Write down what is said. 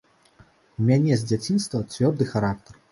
У мяне з дзяцінства цвёрды характар.